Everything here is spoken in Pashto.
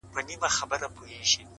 هوښیار انسان د خبرو اغېز سنجوي.!